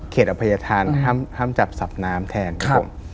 อภัยธานห้ามจับสับน้ำแทนครับผม